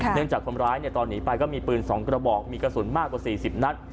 เนื่องจากคนร้ายตอนหนีไปก็มีปืนสองกระบอกมีกระสุนมากกว่าสี่สิบนัด